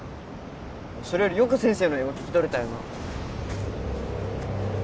それよりよく先生の英語聞き取れたよな